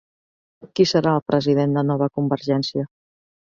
Qui serà el president de Nova Convergència?